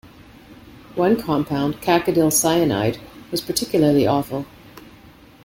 One compound, cacodyl cyanide, was particularly awful.